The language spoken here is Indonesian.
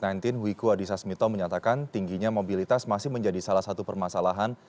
wiku adhisa smito menyatakan tingginya mobilitas masih menjadi salah satu permasalahan